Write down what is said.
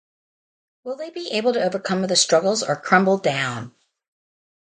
Will they be able to overcome the struggles or crumble down?